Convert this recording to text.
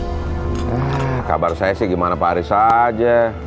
eh kabar saya sih gimana pak haris saja